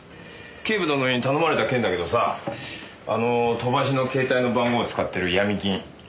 警部殿に頼まれた件だけどさああの飛ばしの携帯の番号使ってるヤミ金。